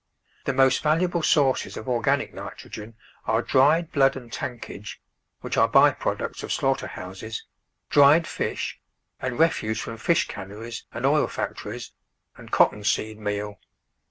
The most valuable sources of organic nitrogen are dried blood and tankage, which are by products of slaughter houses, dried fish, and refuse from fish canneries and oil fac tories, and cotton seed meal.